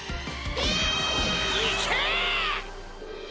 いけ！